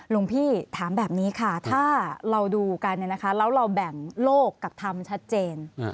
หลวงพี่ถามแบบนี้ค่ะถ้าเราดูกันแล้วเราแบ่งโลกกับธรรมชัดเจน